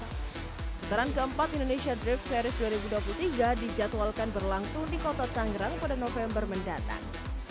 putaran keempat indonesia drift series dua ribu dua puluh tiga dijadwalkan berlangsung di kota tangerang pada november mendatang